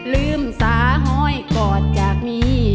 ลืมสาหอยกอดจากนี้